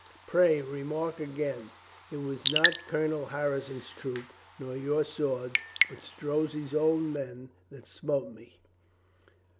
Pray, remark again, it was not Colonel Harrison's troop, nor your swords, but Strozzi's own men, that smote me.